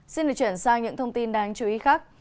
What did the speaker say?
xin được chuyển sang những thông tin đáng chú ý khác